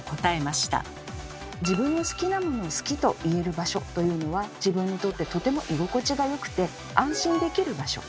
自分の好きなものを「好き」と言える場所というのは自分にとってとても居心地がよくて安心できる場所。